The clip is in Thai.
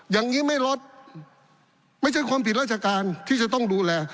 อย่างนี้ไม่ลดไม่ใช่ความผิดราชการที่จะต้องดูแล